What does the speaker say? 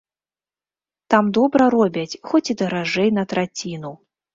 Там добра робяць, хоць і даражэй на траціну.